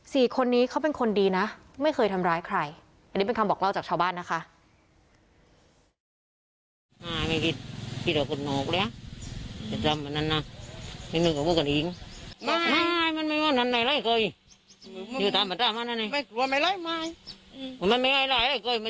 สี่คนนี้เขาเป็นคนดีนะไม่เคยทำร้ายใครอันนี้เป็นคำบอกเล่าจากชาวบ้านนะคะ